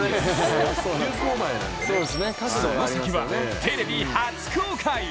その先は、テレビ初公開。